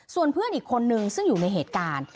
ส่วนเพื่อนอีกคนนึงซึ่งอยู่ในเหตุการณ์